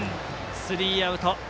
スリーアウト。